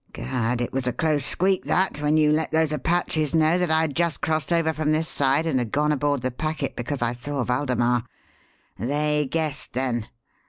Gad! it was a close squeak that, when you let those Apaches know that I had just crossed over from this side and had gone aboard the packet because I saw Waldemar. They guessed then.